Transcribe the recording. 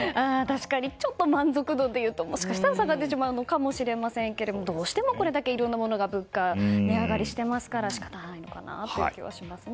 ちょっと満足度でいうと下がってしまうかもしれませんがどうしてもこれだけいろいろなものが物価値上がりしていますから仕方ないのかなという気はしますね。